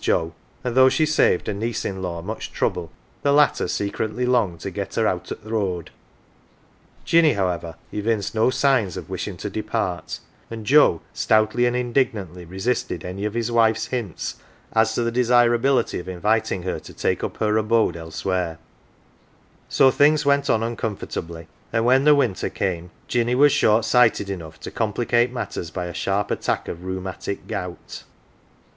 Joe, and though she saved her niece in law much trouble, the latter secretly longed to. get her " out o' th' road." Jinny, however, evinced no signs of wishing 152 AUNT JINNY to depart, and Joe stoutly and indignantly resisted any of his wife's hints as to the desirability of inviting her to take up her abode elsewhere^ So things went on uncomfortably, and when the winter came Jinny was short sighted enough to complicate matters by a sharp attack of rheumatic gout.